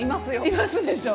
いますでしょ！